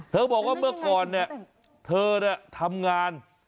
เธอบอกว่าเมื่อก่อนเนี่ยเธอเนี่ยทำงาน